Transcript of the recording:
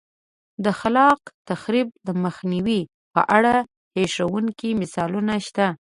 د خلاق تخریب د مخنیوي په اړه هیښوونکي مثالونه شته